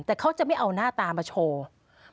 แต่เขาจะไม่เอาหน้าตามาโชว์